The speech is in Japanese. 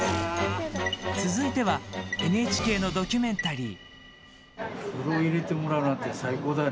続いてはＮＨＫのドキュメンタリー。